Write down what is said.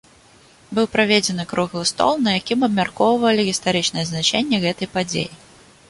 Быў праведзены круглы стол, на якім абмяркоўвалі гістарычнае значэнне гэтай падзеі.